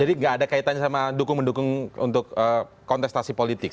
jadi nggak ada kaitannya sama dukung mendukung untuk kontestasi politik